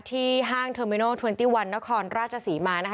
ที่ห้างเทอร์มินัล๒๑นครราชสีมานะคะ